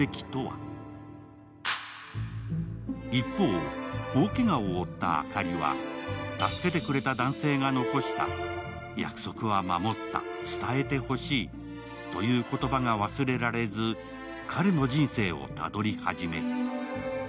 一方、大けがを負った明香里は助けてくれた男性が残した約束は守った、伝えてほしいという言葉が忘れられず、彼の人生をたどり始める。